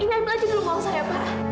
ini ambil aja dulu mau saya pak